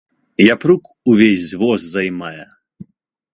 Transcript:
Япрук увесь воз займае.